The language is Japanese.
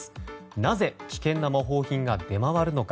なぜ危険な模倣品が出回るのか。